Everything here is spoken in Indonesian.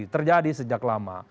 terjadi sejak lama